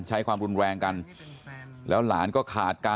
แล้วก็ยัดลงถังสีฟ้าขนาด๒๐๐ลิตร